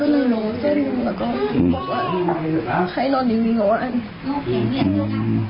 อืมไปน้องชายไปทีทีค่ะ